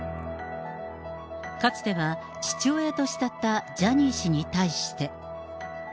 かつては父親と慕ったジャニー氏に対して。